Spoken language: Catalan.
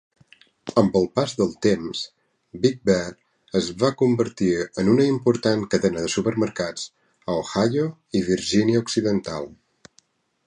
Amb el pas del temps, Big Bear es va convertir en una important cadena de supermercats a Ohio i Virgínia Occidental.